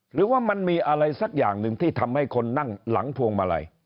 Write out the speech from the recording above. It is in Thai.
หรือว่ามันมีอะไรสักอย่างหนึ่งที่ทำให้คนนั่งหลังพวงมาลัย